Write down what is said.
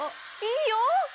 いいよ！